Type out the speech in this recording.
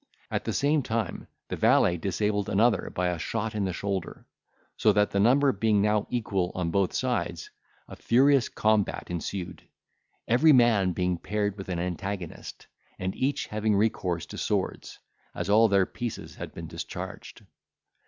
At the same time the valet disabled another by a shot in the shoulder; so that the number being now equal on both sides, a furious combat ensued, every man being paired with an antagonist, and each having recourse to swords, as all their pieces had been discharged.